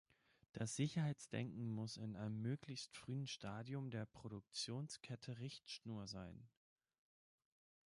Das Sicherheitsdenken muss in einem möglichst frühen Stadium der Produktionskette Richtschnur sein.